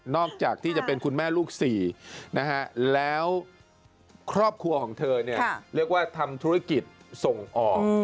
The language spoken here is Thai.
จากที่จะเป็นคุณแม่ลูกสี่นะฮะแล้วครอบครัวของเธอเรียกว่าทำธุรกิจส่งออก